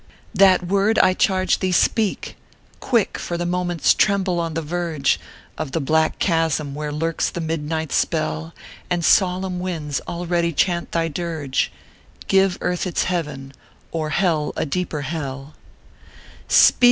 " That word, I charge thee, speak ! Quick 1 for the moments tremble on the verge Of the black chasm where lurks the midnight spell, And solemn winds already chant thy dirge Give Earth its Heaven, or Hell a deeper Hell I " Speak